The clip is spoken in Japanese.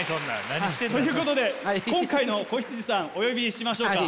何してんの？ということで今回の子羊さんお呼びしましょうか。